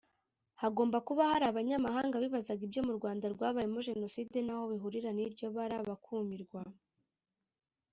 Hagomba kuba hari abanyamahanga bibazaga ibyo mu Rwanda rwabayemo Jenoside n’aho bihurira n’iryo bara bakumirwa